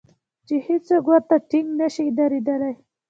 چې هېڅوک ورته ټینګ نشي درېدلای.